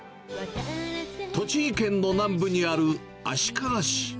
栃木県の南部にある足利市。